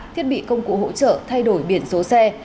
thiết bị công cụ hỗ trợ thay đổi biển số xe